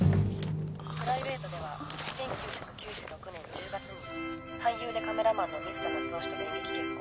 プライベートでは１９９６年１０月に俳優でカメラマンの水田夏雄氏と電撃結婚。